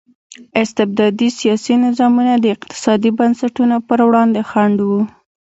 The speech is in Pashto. استبدادي سیاسي نظامونه د اقتصادي بنسټونو پر وړاندې خنډ وو.